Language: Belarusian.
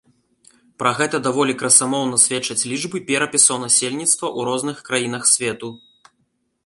Пра гэта даволі красамоўна сведчаць лічбы перапісаў насельніцтва ў розных краінах свету.